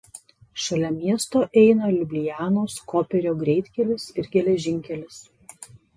Šalia miesto eina Liublianos–Koperio greitkelis ir geležinkelis.